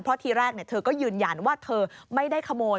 เพราะทีแรกเธอก็ยืนยันว่าเธอไม่ได้ขโมย